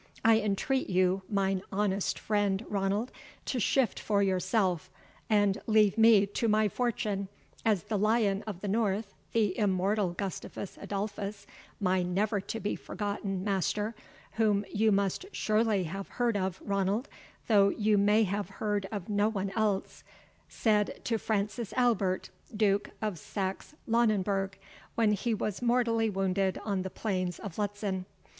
I entreat you, mine honest friend Ranald, to shift for yourself, and leave me to my fortune, as the Lion of the North, the immortal Gustavus Adolphus, my never to be forgotten master (whom you must surely have heard of, Ranald, though you may have heard of no one else), said to Francis Albert, Duke of Saxe Lauenburgh, when he was mortally wounded on the plains of Lutzen.